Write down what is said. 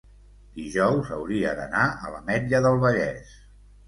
dijous hauria d'anar a l'Ametlla del Vallès.